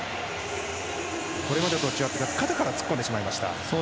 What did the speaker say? これまでと違って肩から突っ込んでしまいました。